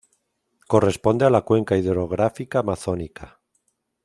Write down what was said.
Corresponde a la cuenca hidrográfica amazónica.